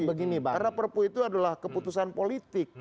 karena perpu itu adalah keputusan politik